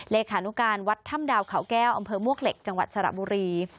เลขานุการวัดถ้ำดาวเขาแก้วอำเภอมวกเหล็กจังหวัดสระบุรี